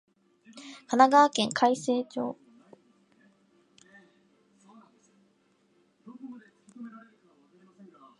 神奈川県開成町